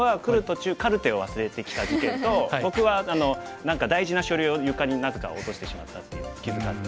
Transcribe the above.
途中カルテを忘れてきた事件と僕は何か大事な書類を床になぜか落としてしまったっていう気付かず。